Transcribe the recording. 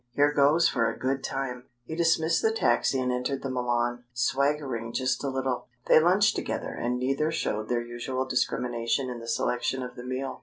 Here goes for a good time!" He dismissed the taxi and entered the Milan, swaggering just a little. They lunched together and neither showed their usual discrimination in the selection of the meal.